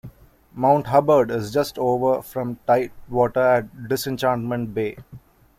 Mount Hubbard is just over from tidewater at Disenchantment Bay.